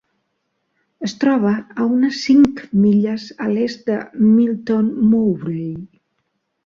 Es troba a unes cinc milles a l'est de Melton Mowbray.